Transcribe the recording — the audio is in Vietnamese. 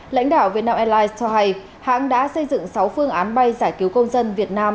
lãnh đạo vietnam airlines cho hay hãng đã xây dựng sáu phương án bay giải cứu công dân việt nam